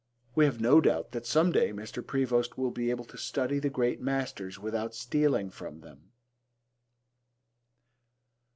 We have no doubt that some day Mr. Prevost will be able to study the great masters without stealing from them.